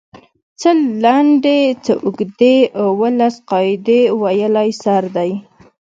څۀ لنډې څۀ اوږدې اووه لس قاعدې ويلی سر دی